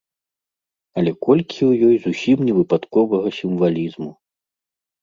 Але колькі ў ёй зусім невыпадковага сімвалізму!